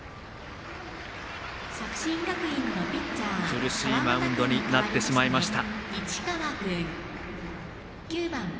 苦しいマウンドになってしまいました。